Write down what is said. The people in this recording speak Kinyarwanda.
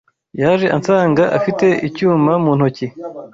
Yaje ansanga afite icyuma mu ntoki.